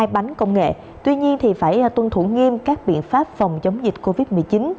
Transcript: hai bánh công nghệ tuy nhiên phải tuân thủ nghiêm các biện pháp phòng chống dịch covid một mươi chín